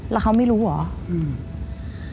แล้วเขาไม่รู้เหรอ